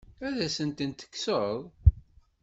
Ad asen-tent-kkseɣ?